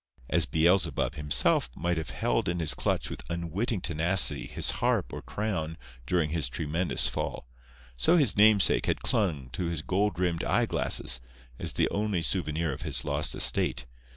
As Beelzebub, himself, might have held in his clutch with unwitting tenacity his harp or crown during his tremendous fall, so his namesake had clung to his gold rimmed eyeglasses as the only souvenir of his lost estate.